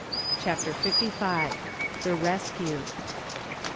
CHAPTER FIFTY FIVE. THE RESCUE.